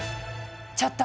ちょっと！